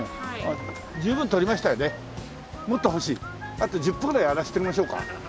あと１０分ぐらいやらしてみましょうか。